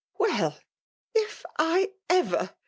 << Well, if I ever